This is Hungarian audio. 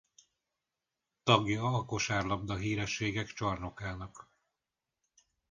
Tagja a Kosárlabda Hírességek Csarnokának.